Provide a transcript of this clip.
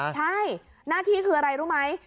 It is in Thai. ใช่หน้าที่คืออะไรรู้ไหม